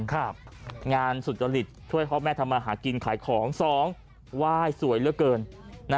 งานสุจริตช่วยพ่อแม่ทำมาหากินขายของ๒ไหว้สวยเหลือเกิน